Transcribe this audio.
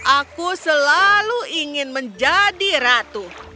aku selalu ingin menjadi ratu